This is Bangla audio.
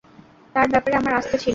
তার ব্যাপারে আমার আস্থা ছিল।